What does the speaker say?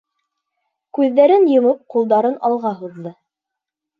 -Күҙҙәрен йомоп, ҡулдарын алға һуҙҙы.